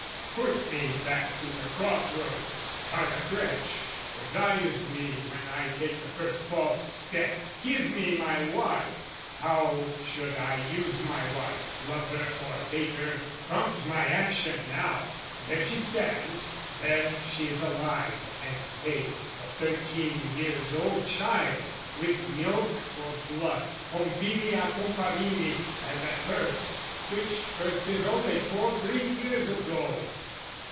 Put me back to the cross road, start afresh! Advise me when I take the first false step! Give me my wife: how should I use my wife, Love her or hate her? Prompt my action now! There she stands, there she is alive and pale, The thirteen years' old child, with milk for blood, Pompilia Comparini, as at first, Which first is only four brief years ago!